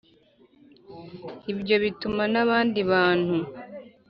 Ibyo bituma n abandi bantu